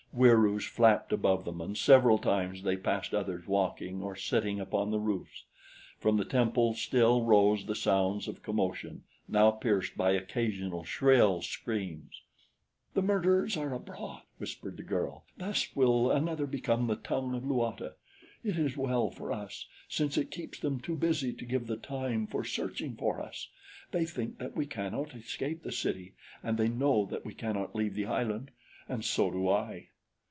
Wieroos flapped above them and several times they passed others walking or sitting upon the roofs. From the temple still rose the sounds of commotion, now pierced by occasional shrill screams. "The murderers are abroad," whispered the girl. "Thus will another become the tongue of Luata. It is well for us, since it keeps them too busy to give the time for searching for us. They think that we cannot escape the city, and they know that we cannot leave the island and so do I."